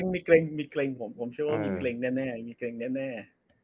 มีเกรงมีเกรงผมเชื่อว่ามีเกรงแน่